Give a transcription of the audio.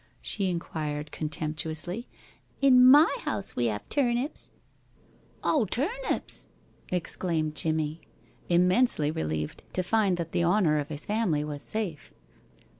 she inquired, contemptuously. "In my house we have turnips." "Oh, turnips!" exclaimed Jimmie, immensely relieved to find that the honor of his family was safe.